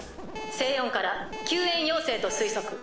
声音から救援要請と推測。